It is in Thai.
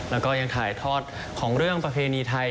แล้วก็ยังถ่ายทอดของเรื่องประเพณีไทย